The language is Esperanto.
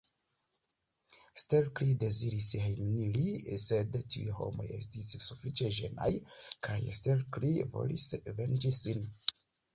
Stelkri deziris hejmeniri, sed tiuj homoj estis sufiĉe ĝenaj kaj Stelkri volis venĝi sin.